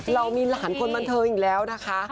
เรามีหลานคนบันเทิงอีกแล้วนะคะ